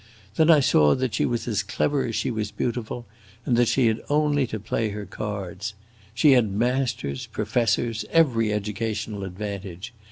Then I saw that she was as clever as she was beautiful, and that she had only to play her cards. She had masters, professors, every educational advantage.